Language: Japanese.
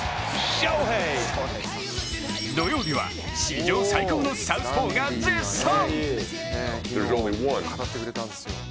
土曜日は史上最高のサウスポーが絶賛。